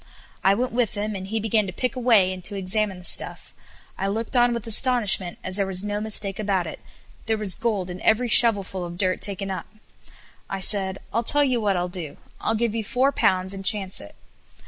I went with him, and he began to pick away, and to examine the stuff. I looked on with astonishment, as there was no mistake about it there was gold in every shovel full of dirt taken up. I said: "I'll tell you what I will do; I'll give you four pounds, and chance it."